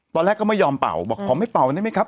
ตอนแรกก็ไม่ยอมเป่าบอกขอไม่เป่าได้ไหมครับ